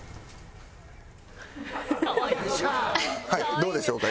どうでしょうか？